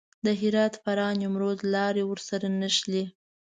د هرات، فراه، نیمروز لارې ورسره نښلي.